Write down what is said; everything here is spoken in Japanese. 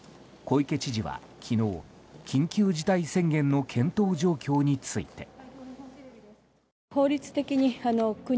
小池知事は昨日、緊急事態宣言の検討状況について。